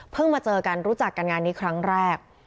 มาเจอกันรู้จักกันงานนี้ครั้งแรก